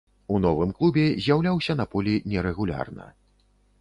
У новым клубе з'яўляўся на полі нерэгулярна.